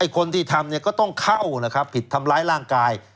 คนที่ทำก็ต้องเข้าผิดทำร้ายร่างกาย